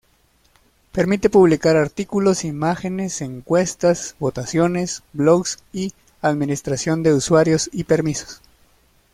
Permite publicar artículos, imágenes, encuestas, votaciones, blogs y administración de usuarios y permisos.